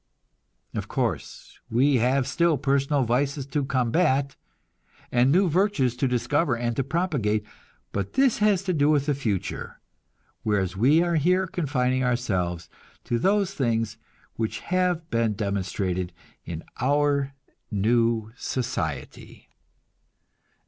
Of course, we have still personal vices to combat, and new virtues to discover and to propagate; but this has to do with the future, whereas we are here confining ourselves to those things which have been demonstrated in our new society.